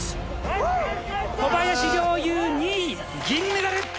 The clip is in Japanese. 銀メダル！